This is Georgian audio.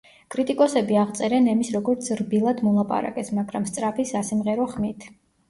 კრიტიკოსები აღწერენ ემის როგორც რბილად მოლაპარაკეს, მაგრამ სწრაფი სასიმღერო ხმით.